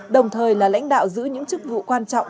đồng thời là lãnh đạo giữ những chức vụ quan trọng